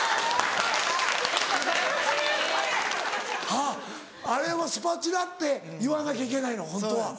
あっあれをスパチュラって言わなきゃいけないのホントは。